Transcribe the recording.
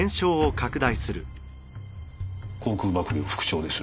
航空幕僚副長です。